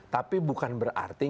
tapi bukan berarti